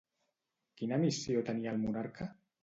Quina missió tenia el monarca?